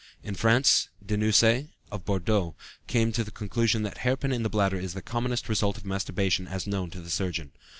In France, Denucé, of Bordeaux, came to the conclusion that hair pin in the bladder is the commonest result of masturbation as known to the surgeon.